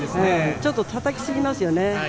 ちょっとたたきすぎますよね。